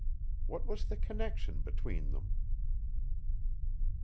What was the connection between them?